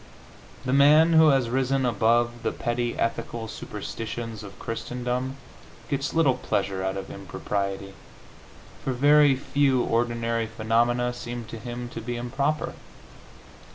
The man who has risen above the petty ethical superstitions of Christendom gets little pleasure out of impropriety, for very few ordinary phenomena seem to him to be improper.